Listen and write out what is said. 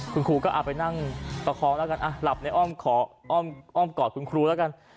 คุณครูก็เอาไปนั่งประคองแล้วกันหลับในอ้อมขออ้อมกอดคุณครูแล้วกัน